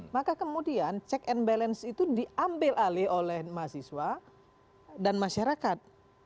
maka kemudian check and balance itu diambil alih oleh mahasiswa dan masyarakat